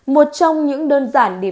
một trong những đơn giản để